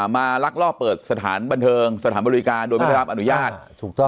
ลักลอบเปิดสถานบันเทิงสถานบริการโดยไม่ได้รับอนุญาต